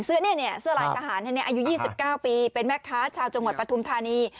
เสื้อลายทหารอายุ๒๙ปีเป็นแม่ค้าชาวจังหวัดปฐุมธานี